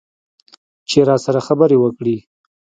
چې راسره خبرې وکړي.